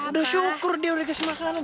udah syukur dia udah kasih makanan